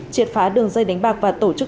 triệt phá đường dây đánh bạc và tổ chức